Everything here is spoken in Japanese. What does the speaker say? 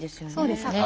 そうですね。